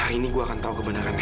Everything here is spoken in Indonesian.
ini gue akan tahu kebenarannya